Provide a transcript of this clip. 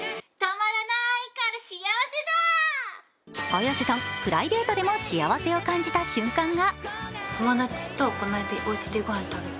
綾瀬さん、プライベートでも幸せを感じた瞬間が。